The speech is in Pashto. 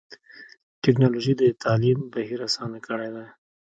ټکنالوجي د تعلیم بهیر اسان کړی دی.